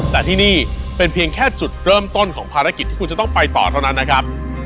แต่ที่นี่เป็นเพียงแค่จุดเริ่มต้นของภารกิจที่คุณจะต้องไปต่อเท่านั้นนะครับ